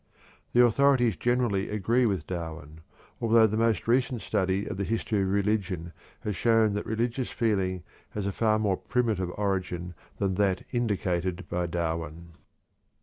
The authorities generally agree with Darwin, although the more recent study of the history of religion has shown that religious feeling has a far more primitive origin than that indicated by Darwin.